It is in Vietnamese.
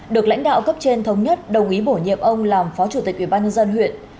được lãnh đạo cấp trên thống nhất đồng ý bổ nhiệm ông làm phó chủ tịch ubnd huyện